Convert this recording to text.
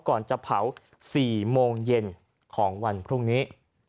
ก่อนจะเผา๔โมงเย็นของวันพรุ่งนี้